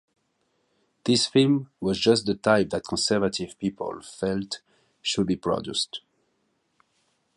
This film was just the type that conservative people felt should be produced.